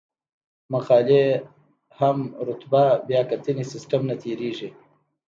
مقالې د هم رتبه بیاکتنې سیستم نه تیریږي.